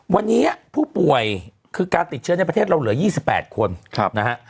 วันนี้ผู้ป่วยคือการติดเชื้อในประเทศเราเหลือ๒๘คนนะฮะ